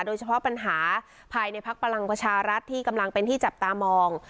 โดยเฉพาะปัญหาภายในพักพลังประชารัฐที่กำลังเป็นที่จับตามอง